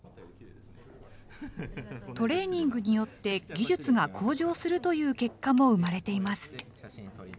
トレーニングによって技術が向上するという結果も生まれています。